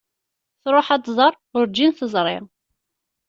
Tṛuḥ ad tẓer, urǧin teẓri.